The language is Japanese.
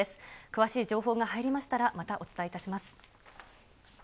詳しい情報が入りましたら、またお伝えいたします。